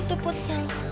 iya terima kasih